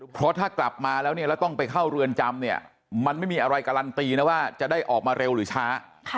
เพราะถ้ากลับมาแล้วเนี่ยแล้วต้องไปเข้าเรือนจำเนี่ยมันไม่มีอะไรการันตีนะว่าจะได้ออกมาเร็วหรือช้า